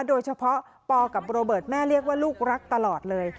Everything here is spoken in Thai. โดยเฉพาะปอกับโรเบิร์ตแม่เรียกว่าลูกรักตลอดเลย